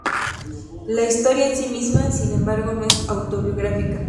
La historia en sí misma, sin embargo, no es autobiográfica.